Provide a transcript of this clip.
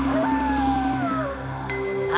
aku tidak percaya dengan kalian